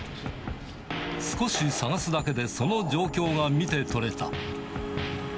少し探すだけで、その状況が見て取れた。